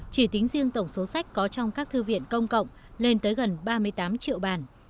chỉ tính riêng tổng số sách có trong các thư viện công cộng lên tới gần ba mươi tám triệu bản